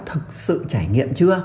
thực sự trải nghiệm chưa